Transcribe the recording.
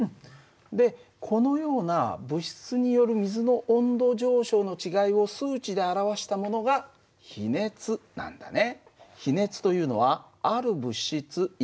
でこのような物質による水の温度上昇の違いを数値で表したものが比熱なんだね。